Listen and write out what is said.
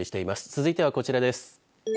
続いてはこちらです。